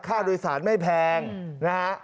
ค่าโดยสารไม่แพงนะฮะ